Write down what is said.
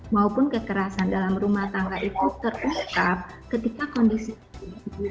maupun kekerasan dalam rumah tangga itu terus teruskap ketika kondisi itu buruk